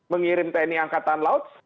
mengirim teknik angkatan laut